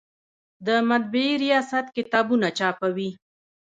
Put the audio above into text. د مطبعې ریاست کتابونه چاپوي؟